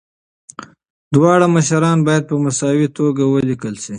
دواړه مشران باید په مساوي توګه ولیکل شي.